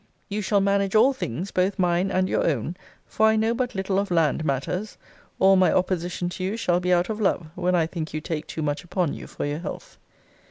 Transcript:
You shall manage all things, both mine and your own; for I know but little of land matters. All my opposition to you shall be out of love, when I think you take too much upon you for your health.